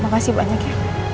makasih banyak ya